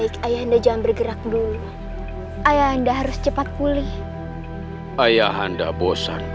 kamu akan jalan